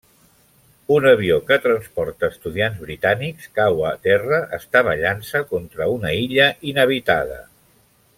Un avió que transporta estudiants britànics, cau a terra estavellant-se contra una illa inhabitada.